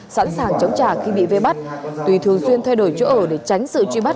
sẵn sàng chống trả khi bị vây bắt tùy thường xuyên thay đổi chỗ ở để tránh sự truy bắt